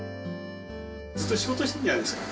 ずっと仕事してるじゃないですか。